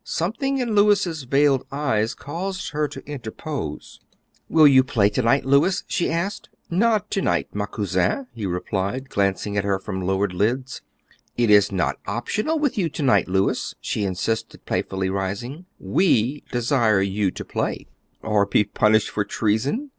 Something in Louis's veiled eyes caused her to interpose. "Will you play, Louis?" she asked. "Not to night, ma cousine," he replied, glancing at her from lowered lids. "It is not optional with you to night, Louis," she insisted playfully, rising; "we desire you to play." "Or be punished for treason?